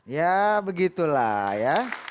ya begitulah ya